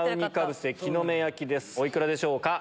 お幾らでしょうか？